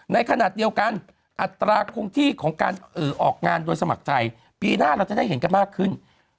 ในขณะเดียวกันอัตราคงที่ของการออกงานโดยสมัครใจปีหน้าเราจะได้เห็นกันมากขึ้น